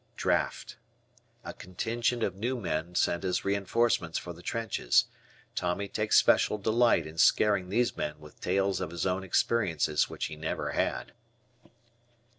Draft. A contingent of new men sent as reinforcements for the trenches. Tommy takes special delight in scaring these men with tales of his own experiences which he never had.